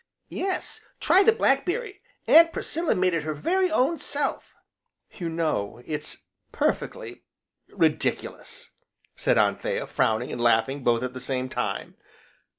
"Yes, try the blackberry, Aunt Priscilla made it her very own self." "You know it's perfectly ridiculous!" said Anthea, frowning and laughing, both at the same time.